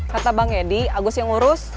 kata bang edi agus yang ngurus